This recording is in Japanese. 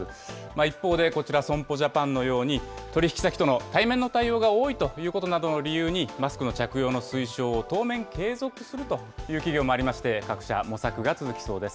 一方でこちら、損保ジャパンのように、取り引き先との対面の対応が多いということなどの理由に、マスクの着用の推奨を当面継続するという企業もありまして、各社模索が続きそうです。